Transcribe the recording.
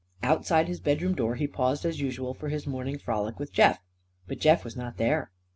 Outside his bedroom door he paused as usual for his morning frolic with Jeff. But Jeff was not there.